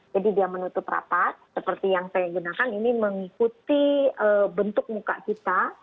jadi dia menutup rapat seperti yang saya gunakan ini mengikuti bentuk muka kita